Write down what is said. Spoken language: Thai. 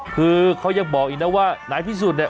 คือเขายังบอกอีกนะว่าไหนที่สุดเนี่ย